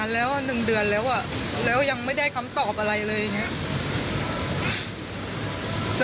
หลังจากเองยังไม่อยากอยู่แล้ว